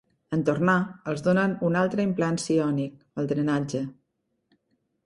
En tornar, els donen un altre implant psiònic, el drenatge.